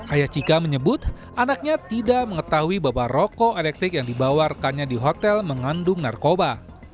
ayah cika menyebut anaknya tidak mengetahui bahwa rokok elektrik yang dibawa rekannya di hotel mengandung narkoba